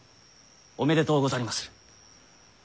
おめでとうござりまする。